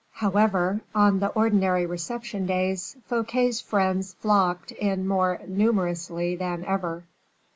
However, on the ordinary reception days, Fouquet's friends flocked in more numerously than ever.